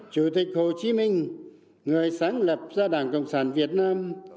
chủ tịch hồ chí minh người sáng lập ra đảng cộng sản việt nam